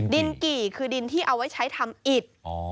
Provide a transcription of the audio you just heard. กี่คือดินที่เอาไว้ใช้ทำอิด